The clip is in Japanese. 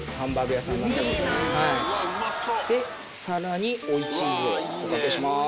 さらに追いチーズをおかけします。